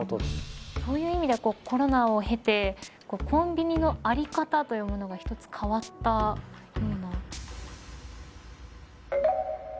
そういう意味でコロナを経てコンビニの在り方というのが変わったような。